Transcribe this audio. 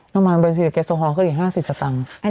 น้ำมันเป็นสิทธิ์เก็ตโซฮอล